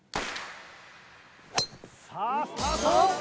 さあスタート！